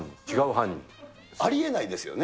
ありえないですよね。